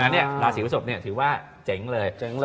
ราศีพฤศพถือว่าเจ๋งเลย